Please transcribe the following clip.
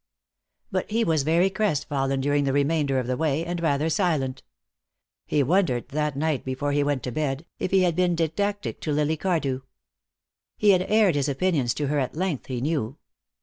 But he was very crestfallen during the remainder of the way, and rather silent. He wondered, that night before he went to bed, if he had been didactic to Lily Cardew. He had aired his opinions to her at length, he knew.